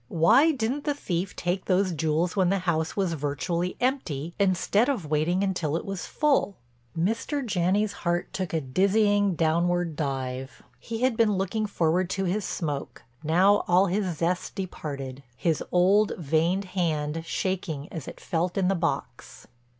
Why didn't the thief take those jewels when the house was virtually empty instead of waiting until it was full?" Mr. Janney's heart took a dizzying, downward dive. He had been looking forward to his smoke, now all his zest departed, his old, veined hand shaking as it felt in the box.